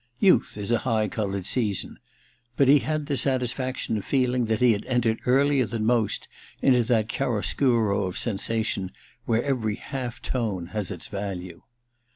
Youth is a high coloured season ; but he had the satisfaction of feeling that he had entered earlier than most into that chiaroscuro of sensation where every half tone has its value.